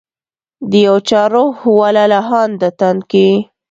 د یو چا روح و لا لهانده تن کي